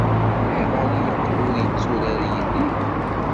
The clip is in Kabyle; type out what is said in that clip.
Ayɣer ay yeqqel ur yetturar yid-i?